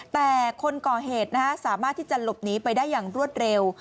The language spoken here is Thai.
แต่คนก่อเหตุสามารถที่จะหลบหนีไปได้อย่างรวดเร็ว